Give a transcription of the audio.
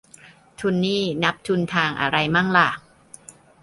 ทุนนี่นับทุนทางอะไรมั่งล่ะ